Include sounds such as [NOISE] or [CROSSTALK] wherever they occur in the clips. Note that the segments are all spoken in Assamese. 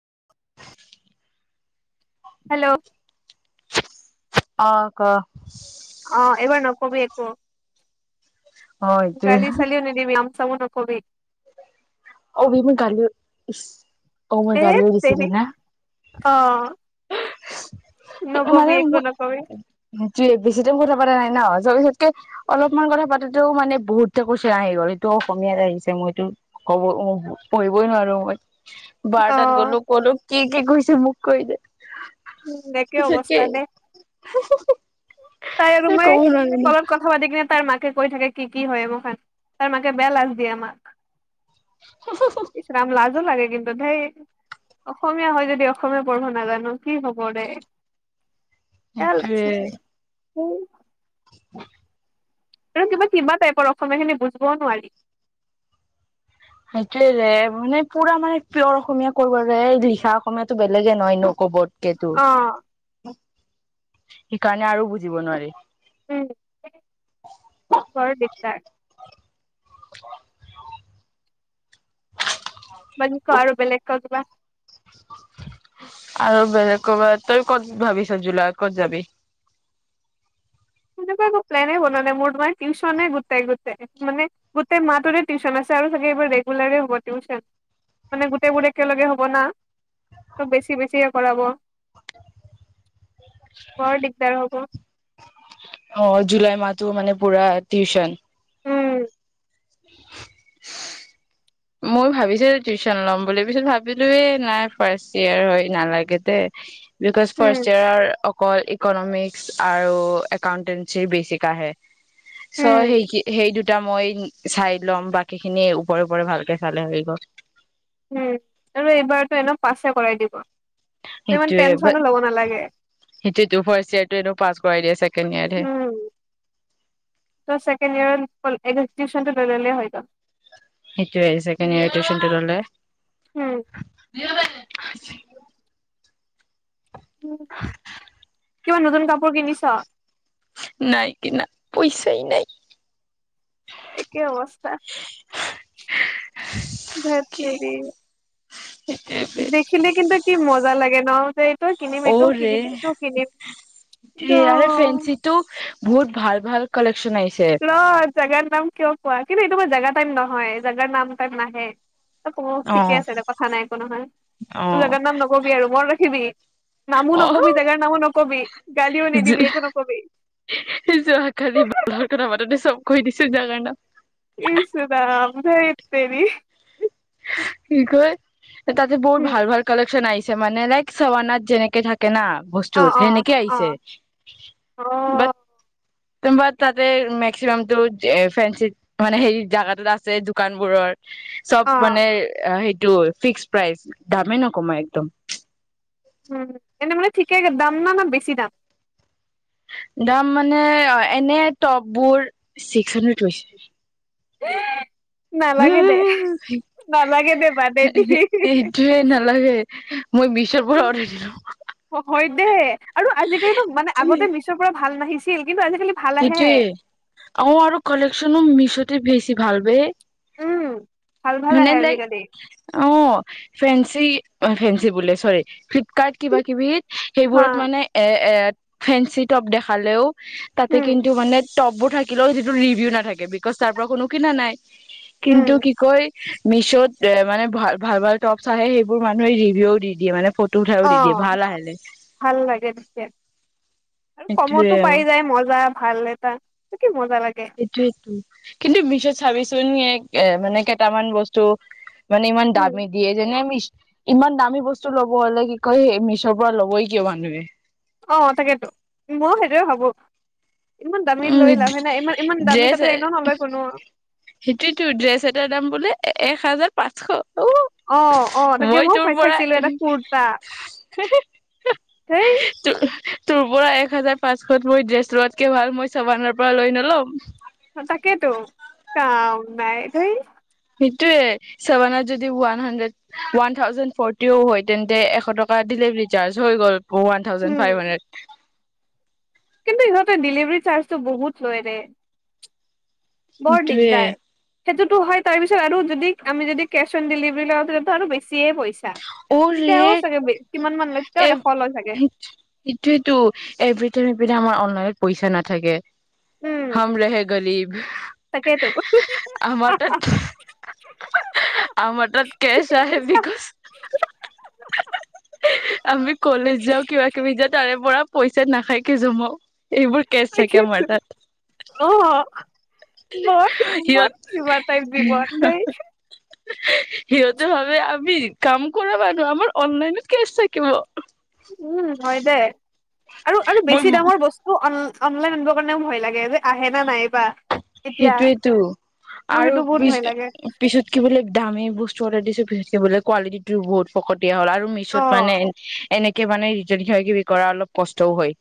[INAUDIBLE] হেল্ল'। অ', ক'। অ', এবাৰ নকবি একো। গালি চলিও নেদিবি নাম চামো ক'বি। অবে মই গালী। এ তেৰি অ'। মানে নকবি একো নকবি মোৰে বেছি টাইম কথা পতা নাই ন' [UNINTELLIGIBLE] তে অলপমান কথা পাতোতেও মানে বহুততে কোৱেচ্চন আহি গ'ল এইটো অসমীয়াত আহিছে মোৰটো ক'ব পঢ়িবই নোৱাৰো মই। অ বাৰটাত গ'লো ক'লো কি কি কৈছে মোক কৈ দে। উম, একে পিছতকে অৱস্থা দে তাই আৰু এই মই ক'ব নোৱাৰো ন অলত কথা পাতি কিনে তাই মাক কৈ থাকে কি কি হয় এ খান তাৰ মাকে বেয়া লাজ দিয়ে আমাক। ইছ ৰাম লাজ লাগে কিন্তু ঢেৰ অসমীয়া হয় যদি অসমীয়া পঢ়িব নাজানো। কি হ'ব দে। সেইটোয়ে [UNINTELLIGIBLE] উম। [INAUDIBLE] আৰু কিবা কিবা টাইপৰ অসমীয়া খিনি বুজিবও নোৱাৰি। সেইটোৱে ৰে মানে পুৰা মানে পিয়ৰ অসমীয়া কৰ ৰে লিখা অসমীয়াতো বেলেগে নহয় নো ক'বতকে তোৰ। অ সেইকাৰণে আৰু বুজিব নোৱাৰি। উ বৰ দিগদাৰ উ মই বাকী ক আৰু বেলেগ ক কিবা আৰু বেলেগ কব তই ক'ত ভাবি চ জুলাইত ক'ত যাবি তেনেকুৱা একো প্লেনে বনোৱা নাই মোৰ তোমাৰ টিউচনে গোতাই গোতাই মানে গোটেই মাহটোৰে টিউচন আছে আৰু চাগে এইবাৰ ৰেগুলাৰে হ'ব টিউচন মানে গোটেইবোৰে একেলগে হ'ব না ত বেছি বেছিকে কৰাব বৰ দিগদাৰ হ'ব অ জুলাই মাহতো মানে পুৰা টিউচন উম উ মইও ভাবিছিলো টিউচন ল'ম বুলি পিছত ভাবিলোৱে নাই ফাৰ্ষ্ট ইয়েৰ হয় নালাগে দে বিকউজ ফাৰ্ষ্ট উম ইয়েৰৰ কল ইকনমিক্স আৰু একাউন্টেঞ্চিৰ বেচিক আহে চ উম সেইক সেই দু দুটা মই চাই ল'ম বাকী খিনি ওপৰে ওপৰে ভাল কে চালে হৈ গ'ল উম আৰু এইবাৰতো এনেও পাছে কৰাই দিব ত ইমান সেইটোৱে বা টেনচনো ল'ব নালাগে সেইটোৱে টো ফাৰ্ষ্ট ইয়েৰ টো এনেও পাছ কৰাই দিয়ে ছেকেণ্ড ইয়ৰত হে উম ছেকেণ্ড ইয়েৰ ল ল টিউচনটো হৈ গ'ল সেইটোৱেই ছেকেণ্ড ইয়েৰৰ টিউচনটো ল'লে উম আছে কিমান নতুন কাপোৰ কিনিছ নাই কি নাই পইচাই নাই একে অৱস্থা ভ [UNINTELLIGIBLE] দেখিলে কিন্তু কি মজা লাগে নলবাৰী অ ৰে কিন্তু সেয়াৰে ফেন্ঞ্চিটো বহুত ভাল ভাল কালেকচন আহিছে। ৰ জেগাৰ নাম কিয় কোৱা কিন্তু এইটো মই জেগা টাইপ নহয় জেগাৰ নাম টাইপ নাহে ত ঠিকে অ', আছে এ কথা নাই একো নহয় তোৰ অ'। জেগাত নাম নকবি আৰু মনত ৰাখি [UNINTELLIGIBLE] [INAUDIBLE] নামো অহ, নকবি জেগাৰ নামো নক কবি গালিও নিদিবি একো নকবি যোৱা কালি ভালৰ কথা মাতোতে চব কৈ দিছো যাৰ কাৰণে কিছদা [INAUDIBLE] আম হেইত তেৰি সক তা বুত উম ভাল ভালেক্চন আহিছে মানে লাইক চৱানাত যেনেকে থাকে ন অ বস্তুত অ সেনেকে অ আহিছে অ বাট া তাতে মেক্সিমাম তটো ফেঞ্চি মানে হে জাগাত আছে দোকানবোৰত অ মানে অ সেইটো ফিক্স প্ৰাইচ দামে ন কমাই একদম উম এনে মানে ঠিকে দাম ন ন বেছি দাম দাম মানে এনে টপবোৰ ছিক্স হাণ্ড্ৰেড হৈছে নালাগে দে নালাগে দে মানাই দি সেইটোয়ে নালাগে মই বিশ্বৰ পৰা উঠছিলো হয় দে আৰু আজিকালিতো মানে আগতে মিছৰ পৰা ভাল নাহিছিল কিন্তু আজিকালি ভাল আহে সেইটোৱে অ আৰু কালকশ্যনো মিছ বেছি ভাল ব উম, ভাল ভাল মানে আহে লাইক আজিকালি। অ ফেন্ঞ্চি অ ফেঞ্চি বোলে চৰি ফ্লিপকাৰ্ট কিবা কিবি হা, সেইবোৰত মানে এ এ ফেসি টপ দেখালেও তাতে উম, কিন্তু মানে টপবোৰ থাকে ক যিটো ৰিভিউ নাথাকে বিকজ তাৰ পৰা কোনো কিনা নাই উম, কিন্তু কি কয় মিছত এ মানে ভ ভাল ভাল টপছ আহে সেইবোৰ মানুহে ৰিভিউ দি দিয়ে মানে উঠাইও অ দি দিয়ে ভাল আহিলে ভাল লাগে তেছে আৰু সেইটোয়ে কমতো আৰু পাই যায় মজা ভাল নটা ত কি মন এইটোয়েইটোো কিন্তু পিছত চাবিচোন এ মানে কেইটামান বস্তু মানে ইমান উম, দামী দিয়ে যেনে আমি ইমান দামী বস্তু ল'ব হলে কি কয় মিছৰ পৰা ল'বই কিয় মানুহে অ তাকেতো ময় সেইটয়ে ভাবো ইমান দামী উম লৈ লাভে নে ইমান ইমান দামী তাতে এনেও নলয় কোনো সেইটোয়েতো ড্ৰেছ এটাৰ দাম বোলে এক হাজাৰ পাঁচশ উ অ অ তাকে মই তোৰ ভাই পৰা চাইছিলো এটা কুৰ্তা দেই তোৰ তোৰ পৰা এক হাজাৰ পাঁচশত মই ড্ৰেছ লোৱাতকে ভাল মই চাবানৰ পৰা লৈ নলম তাকেইেতো কাম নাই ধেই সেইটোয়ে চছেভেনত যদি ওৱান হাড্ৰেড ওৱান থাউজেনড ফৰ্টিও হয় তেন্তে এশ টকা ডেলিভাৰী চাৰ্জ হৈ গ'ল ওৱান থাউজণ্ড উম, ফাইভ হাণ্ড্ৰেড কিন্তু ইহঁতে ডেলিভাৰী চাৰ্জটো বহুত লয় ৰে বৰ সেইটোয়ে দিগদাৰ সেইটোতো হয়, তাৰ পিছত আৰু যদি আমি যদি কেচ অন ডেলিভাৰী লওঁ তেতিয়ো আৰু বেছিয়ে পৰিছে। অ' ৰে মান লয় এ তেতিয়াও এশ লয় চাগে সেইট সেইটোৱেটো এব্ৰিটাইম [UNINTELLIGIBLE] এপি আমাৰ অনলাইন পইচা নাথাকে উম হম ৰেহে গৰিব তাকেইতো। আমাৰ তাত আমাৰ তাত কেচ ঠিকে আহে কৈছা। বিকচ আমি কলেজ যাওঁ কিবা কিবি যাওঁ তাৰে পৰা পইচা নাখাইকে জমাও এইবোৰ কেচ থাকে আমাৰ তাত অ' ম ম সিহঁত বাতাই দ দি বন দাইছে [UNINTELLIGIBLE] [UNINTELLIGIBLE] সিহঁতে ভাবে আমি কাম কৰা মানুহ আমাৰ অনলাইনত কেচ থাকিব উম' হয় দে। আৰু আৰু মই বেছি দামৰ বস্তু অন অনলাইন আনিবৰ কাৰণেও ভয় লাগে যে আহে নে নাহে বা সেইটোৱেইটো আৰু বহুত পি ভয় লাগে পিছত কি বোলে দামী বস্তু অৰ্ডাৰ দিছো পিছত সেই বোলে কোৱালিটিটো বহুত ফকতিয়া। দিয়া হ'ল আৰু মেশ্যত অ'। মানে এনেকে মানে ৰিটাৰ্ণ কিবা কিবি কৰা অলপ কষ্টও হয়।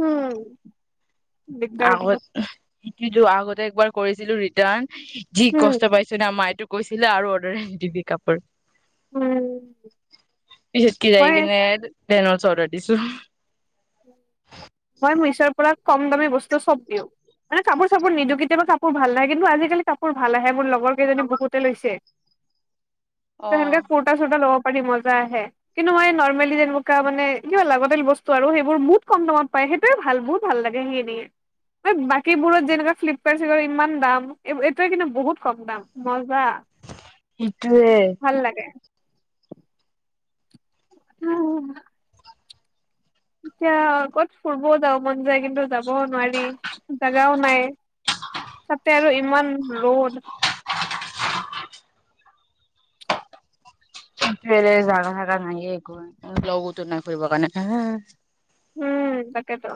উম' দিগদাৰ আগত বহুত কিন্তু আগতে একবাৰ কৰিছিলো ৰিটাৰ্ণ কি উম, কষ্ট পাইছে না মায়টো কৈছিলে আৰু অৰ্ডাৰ দিবি কাপোৰ উম, পিছত কে যায় মই কিনে বেন [UNINTELLIGIBLE] চৌধ অৰ্ডাৰ দিছো [UNINTELLIGIBLE] মই মিশ্ব'ৰ পৰা কম দামী বস্তু চব দিও মানে কাপোৰ চাপোৰ নিদিওঁ কেতিয়াবা কাপোৰ ভাল নাহে, কিন্তু আজিকালি কাপোৰ ভাল আহে মোৰ লগৰ লগৰ কেইজনী বহুতে লৈছে তই হেনেকে কুৰ্তা চোৰ্তা ল'ব কাপোৰ কানি মজা আহে, কিন্তু মই এই নৰ্মেলি যেনেকুৱা মানে কিবা লাগতিয়াল বস্তু আৰু বহুত কম দামত পাই সেইটোয়ে ভাল বহুত ভাল লাগে সেইখিনি, আৰু বাকী বোৰত যেনেকুৱা ফ্লিপকাৰ্ট শ্লিপকাৰ্টত ইমান দাম এইটোৱে কিন্তু বহুত কম দাম মজ্জা উ' ভাল লাগে উম'। এতিয়া কৰবাত ফুৰিবও যাব মন যায় কিন্তু যাব নোৱাৰি। জাগাও নাই তাতে আৰু উমন ৰড জাগা থাগা নাই একো লগোতো নাই ফুৰিবৰ কাৰণে উম তাকেইেতো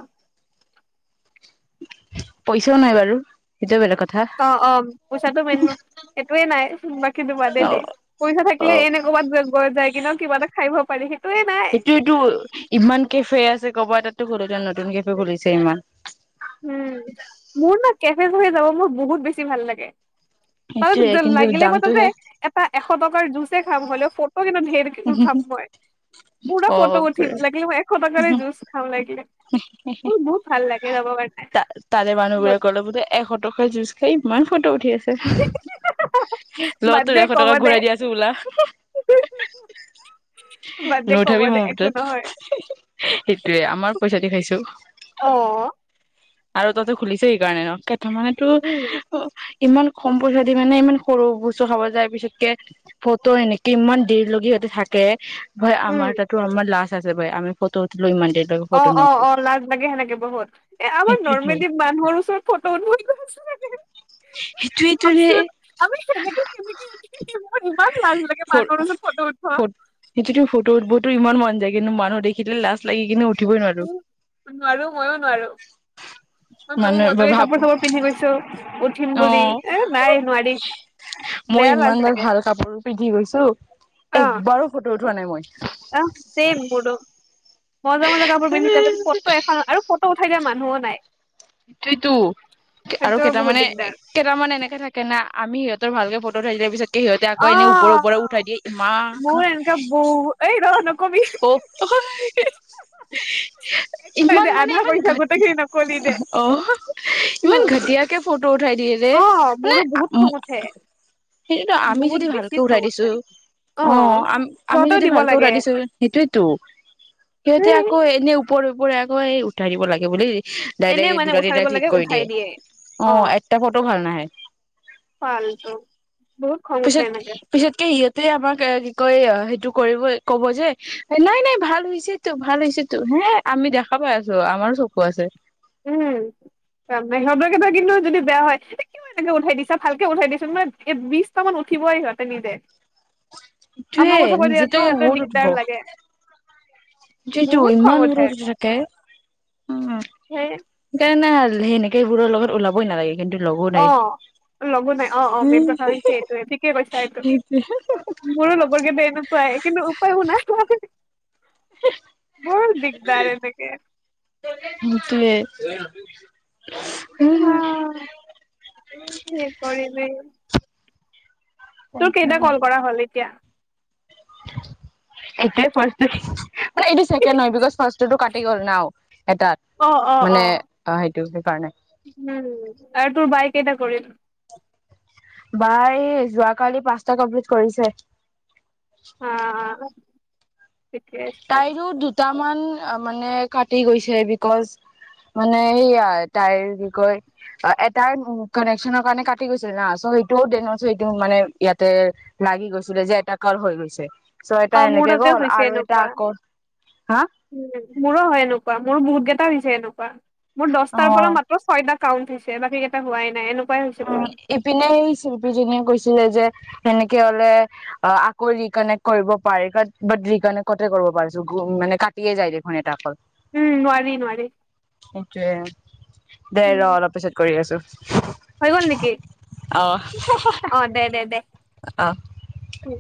পইচাও নাই বাৰু সেইটোও বেলেগ কথা অ অ পইচাটো ম এইটোয়ে নাই বাকী দু বাদেই অ দেই পইচা থাকিলে অ এনে ক'ৰবাত গ যায় কিব এ খাব পাৰি সি সেইটো এইটো ইমান কেফে আছে গ'ব এতো ঘৰোতে নতুনকেইে ঘূৰিছে ইমান উম মোৰ ন কেফে ভ যাব মোৰ বহুত বেছি ভাল লাগে সেইটোয়ে তাৰ কিন্তু লাগিলে মই তাতে দামটোহে এটা এশ টকাৰ জুজ খাম হ'লে অ কিন্তু ধেৰ উঠাম মই পুৰা অ ফটো উঠিম লাগিলে মই এশ টকাৰ জুচ খাম লাগিলে মোৰ বহুত ভাল লাগে ৰব পাৰ ত তাৰে মানুহ গোৰে কলে বোধে এশ টকা জুচ খাই মা ফটো উঠি আছে ল বাদ তো দে এশ ক'ব টকা দে ঘূৰাই দিয়া আছো বলা বাদ দে ক'ব নুথাবি দে মোৰ একো বটত নহয় সেইটোৱে আমাৰ পইচা দি খাইছো অ আৰু তহতে খুলিছে সেইকাৰণে ন তাৰ মমানেতো উম অ ইমান কম পইচা দি মানে ইমান সৰু বস্তু খাব যায় পিছতকে ফটো এনেকে ইমান দেৰি লগি হতে থাকে হয় উম আমাৰ তাতো আমাৰ লাষ্ট আছোই আমি ফটো উঠিলো ইমান দ অ অ অ ল লাগে সেনেকে বহুত এ আমাৰ সেইটোয়েতো নৰ্মেলি মানুহৰ ওচৰত ফটো উ সেইটোৱেইটো অকচ ৰে আমিমম উ সটো ফটো উঠবতো ইমান মন যায় কিন্তু মানুহ দেখিলে লাজ লাগ কিন্তু উ উ নোৱাৰো ময়ো নোৱাৰো মই ভাবো মানুহে মনে ভাব কাপোৰ চাপোৰ পিন্ধি গৈছো উঠিন অ বুলি এ নাই নোৱাৰি মই বেয়া ইমান লাজ বাৰ চাগে ভাল কাপোৰ পিন্ধি গৈছো একবাৰো ফটো যোৱা নাই মই অহ চেম মোৰো মজা মজা কাপোৰ পিন্ধি যায় সেইটোৱেইটো ফটো এখন আৰু ফটো উঠাই [INAUDIBLE] ম নাই সইটোৱেটো আৰু সেইটোৱে বহুত কেইটামানে দিগদাৰ কেইটামান এনেকে থাকে না আমি সিহঁতৰ ভালকে ফটো থাকিলে পিত সিসহতে আকৌ এনে ওপৰে ওপৰে উঠাই অ', দিয়ে মোৰ ইমান এনেকা বহু এই ৰ নকবি অ [UNINTELLIGIBLE] একো নাই ইমান দে মানে আধা ইমান ঘ কৈছা গোটেইখিনি নকলি দে। অ [INAUDIBLE] ইমান ঘাটিয়াকে ফটো উঠাই মানে অ', মোৰো বহুত খং উঠে [UNINTELLIGIBLE] সেইটোতো আমি বহুত যদি বেছি ভালকে খং উঠাই দিছো উঠে অ আ আমি সিহঁতেও যদি দিব ভালকে লাগে উৰাই দিছো সেইটোয়তো সিহঁতে ধেই আকৌ এনে ওপৰ ওপৰে আকৌ এই উঠাই দিব লাগে বুল এনে ডাইৰে্ট মানে দুটা তিনিটা উঠাব ক্লিক লাগে কৰি উঠাই দিয়ে অ এটা ফটো ভাল নাহে ফালটো বহুত খং উঠে পিছত এনেকে পিছতকে ই ত আমাক কি কয় সেইটো কৰিব কব যে নাই নাই ভাল হৈছে তো ভাল হৈছে তো হে আমি দেখা পাই আছো আমাৰ চকু আছে উমে সহঁ কেইটা কিন্তু যদি বেয়া হয় কিয় এনেকে উঠাই দিছা ভালকে উঠাই দিছোন মানে এ বিশটামান উঠিবৈ সিহঁতে নিজে টোৱে আমাক উঠাব দিয়াতে নিজেটো সিহঁতৰ বহুত উঠিব দিগদাৰ লাগে যিটো বহুত খং ইমান ৰ উঠে যকে উম সেই গাই না সেনেকে বোৰৰ লগত ওলাবই নালাগে কিন্তু লগো অ নাই লগো নাই অ অ মেইন উম কথা হৈছে এইটোৱে ঠিকেই কৈছা এইটো সেইটোৱে মোৰো লগৰ কেইটা এনেকুৱাই কিন্তু উপায়ও নাই বৰ দিগদাৰ এনেকে [UNINTELLIGIBLE] টোৱে অ কৰিবি তোৰ কেইটা কল কৰা হ'ল এতিয়া এটাই ফাৰ্ষ্ট [INAUDIBLE] মান এইটো ছেকেড হয় বিকজ ফাৰ [INAUDIBLE] কি গ'ল ন অ অ অ সেইটো সেইকাৰণে উ আৰু তোৰ বাই কেইটা কৰিল বাই যোৱাকালি পাঁচটা কমপ্লিট কৰিছে হা [UNINTELLIGIBLE] ঠিকে আছে মান মানে কাটি গৈছে বিকজ মানে এইয়া তাইৰ কি কয় এটাই কানেকশচনৰ কাৰণে কাটি গৈছিল না চ' সেইটোও ডনৰ সেইটো মানে ইয়াতে লাগি গৈছিলে যে এটা কাল হৈ গৈছে অ ছয়টা মোৰ এনেকে তাতে গ'ল হৈছে আৰু এটা এনেকুৱা হা উম, মোৰো হয় এনেকুৱা মোৰ মোৰ বহুত কেইটা হৈছে এনেকুৱা। মোৰ দহটাৰ অ পৰা মাত্ৰ ছয়টা কাউণ্ট হৈছে বাকিকেটা হোৱাই নাই এনে অ', ইপিনে সেই চিল্পীজনীয়ে কৈছিলে যে সেনেকে হ'লে অ', আকৌ ৰিকানেক্ট কৰিব পাৰি বাত বাত ৰিকানেক্টতে কৰিব পাৰিছো মানে কাটিয়ে যায় দেখোন এটা কল। উম, নোৱাৰি, নোৱাৰি। সেইটোয়ে দে উম ৰ অলপ পিছত কৰি আছো। হৈ গ'ল নেকি? অ'। অ', দে, দে, দে। অ'। উম